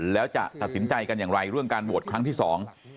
แล้วจะตัดสินใจกันอย่างไรเรื่องการโหวตครั้งที่สอง